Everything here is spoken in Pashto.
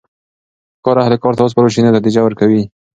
که کار اهل کار ته وسپارل سي نو نتیجه ورکوي.